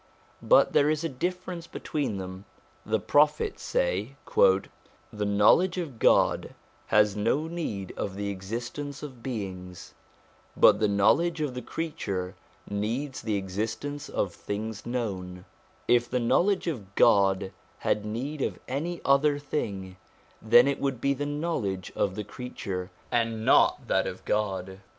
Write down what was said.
But there is a difference between them ; the Prophets say :' The Knowledge of God has no need of the existence of beings, but the knowledge of the creature needs the existence of things known ; if the Knowledge of God had need of any other thing, then it would be the knowledge of the creature, and not that of God.